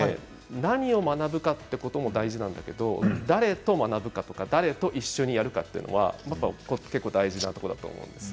何を学ぶかということも大事なんですけれど誰と学ぶかとか誰と一緒にやるかということは結構、大事なことなんです。